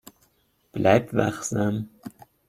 Bleib wachsam.